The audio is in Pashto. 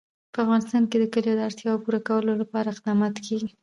په افغانستان کې د کلي د اړتیاوو پوره کولو لپاره اقدامات کېږي.